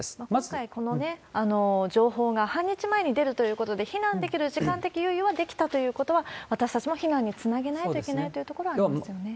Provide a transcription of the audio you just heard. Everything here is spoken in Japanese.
今回、この情報が半日前に出るということで、避難できる時間的余裕が出来たということは、私たちも避難につなげないといけないというところはありますよね。